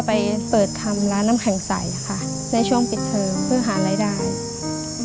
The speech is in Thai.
ไปเปิดทำร้านน้ำแข็งใสค่ะในช่วงปิดเทิมเพื่อหารายได้อืม